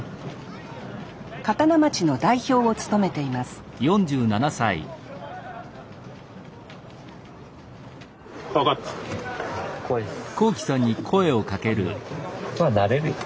刀町の代表を務めています怖いです。